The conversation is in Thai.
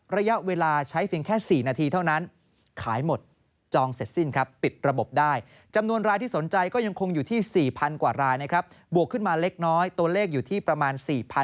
ระยะเวลาใช้เฟียงแค่๔นาทีเท่านั้น